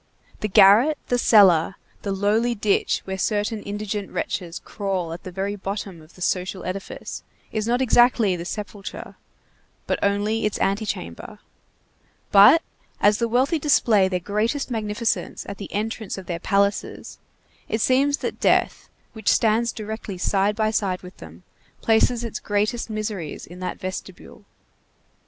The garret, the cellar, the lowly ditch where certain indigent wretches crawl at the very bottom of the social edifice, is not exactly the sepulchre, but only its antechamber; but, as the wealthy display their greatest magnificence at the entrance of their palaces, it seems that death, which stands directly side by side with them, places its greatest miseries in that vestibule.